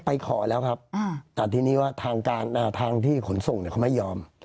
ขอแล้วครับแต่ทีนี้ว่าทางการทางที่ขนส่งเนี่ยเขาไม่ยอม